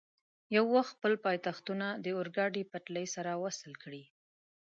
یو وخت خپل پایتختونه د اورګاډي پټلۍ سره وصل کړي.